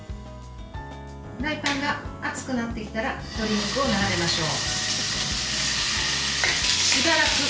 フライパンが熱くなってきたら鶏肉を並べましょう。